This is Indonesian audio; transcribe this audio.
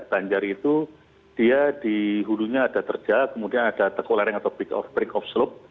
banjar itu dia di hulunya ada terjal kemudian ada break of slope